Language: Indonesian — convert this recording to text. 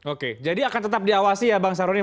oke jadi akan tetap diawasi ya bang saroni